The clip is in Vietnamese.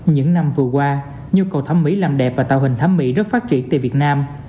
những năm vừa qua nhu cầu thẩm mỹ làm đẹp và tạo hình thẩm mỹ rất phát triển tại việt nam